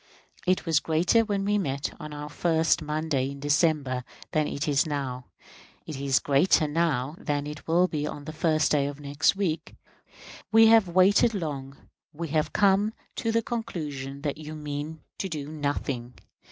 It was greater when we met on the first Monday in December than it is now; it is greater now than it will be on the first day of next week. We have waited long; we have come to the conclusion that you mean to do nothing.